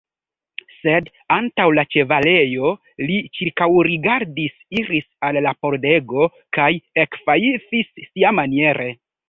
Sed antaŭ la ĉevalejo li ĉirkaŭrigardis, iris al la pordego kaj ekfajfis siamaniere.